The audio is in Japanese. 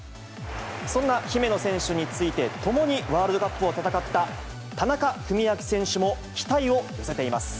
そんな姫野選手について、共にワールドカップを戦った田中史朗選手も期待を寄せています。